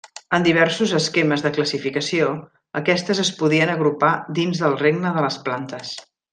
En diversos esquemes de classificació, aquestes es podien agrupar dins del regne de les plantes.